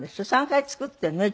３回作ってるの？